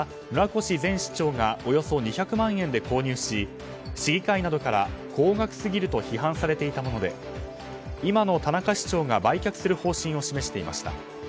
越前市長がおよそ２００万円で購入し市議会などから高額すぎると批判されていたもので今の田中市長が売却する方針を示していました。